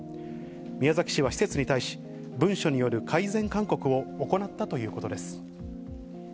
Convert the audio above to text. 宮崎市は施設に対し、文書による改善勧告を行ったということです。